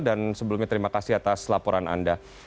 dan sebelumnya terima kasih atas laporan anda